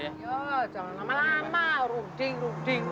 ya jangan lama lama ruding nuding